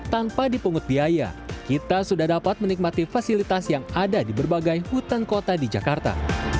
tanpa dipungut biaya kita sudah dapat menikmati fasilitas yang ada di berbagai hutan kota di jakarta